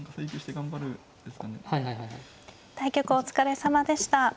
対局お疲れさまでした。